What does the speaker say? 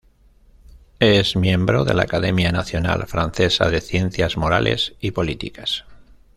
Es miembro de la Academia Nacional Francesa de Ciencias Morales y Políticas.